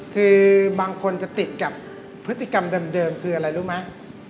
คือบางคนจะติดกับพฤติกรรมเดิมคืออะไรรู้ไหม